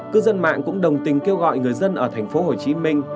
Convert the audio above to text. cư dân mạng cũng đồng tình kêu gọi người dân ở thành phố hồ chí minh